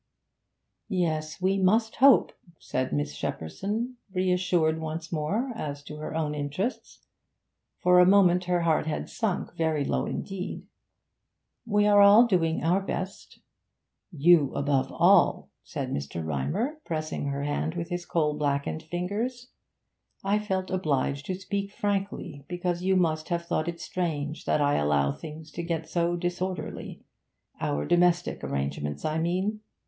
'Yes, we must hope,' said Miss Shepperson, reassured once more as to her own interests; for a moment her heart had sunk very low indeed. 'We are all doing our best.' 'You above all,' said Mr. Rymer, pressing her hand with his coal blackened fingers. 'I felt obliged to speak frankly, because you must have thought it strange that I allowed things to get so disorderly our domestic arrangements, I mean.